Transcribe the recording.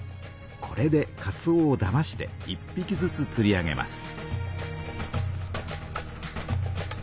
これでかつおをだまして１ぴきずつつり上げます。